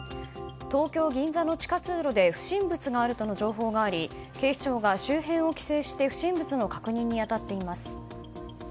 東京・銀座の地下通路で不審物があるとの情報があり警視庁が周辺を規制して不審物の確認に当たっています。